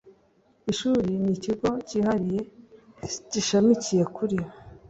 ishuri n ikigo cyihariye gishamikiye kuri